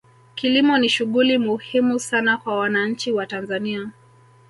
kilimo ni shughuli muhimu sana kwa wananchi wa tanzania